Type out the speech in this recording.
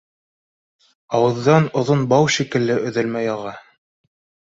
Ауыҙҙан оҙон бау шикелле өҙөлмәй аға.